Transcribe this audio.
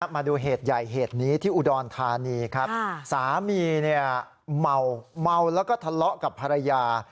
มาดูเหตุใหญ่เทศนี้ที่อุดอนธานีสามีเหมาแล้วก็ทะเลาะกับภรรยา